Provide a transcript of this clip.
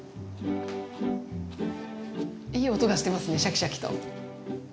いい音がしてますねシャキシャキと。